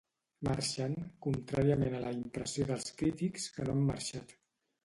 Marxen, contràriament a la impressió dels crítics que no han marxat.